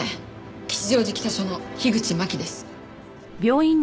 吉祥寺北署の樋口真紀です。